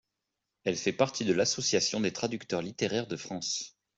Elle fait partie de l'Association des traducteurs littéraires de France.